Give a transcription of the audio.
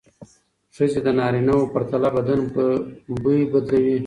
ښځې د نارینه وو پرتله بدن بوی بدلوي.